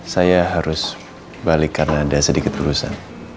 saya harus balik karena ada sedikit urusan